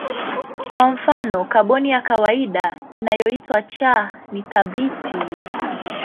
Kwa mfano kaboni ya kawaida inayoitwa C ni thabiti.